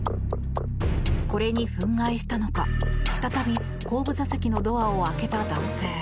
これに憤慨したのか再び後部座席のドアを開けた男性。